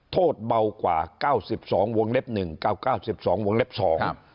โทษเบากว่า๙๒วงเล็บ๑๙๙๒วงเล็บ๒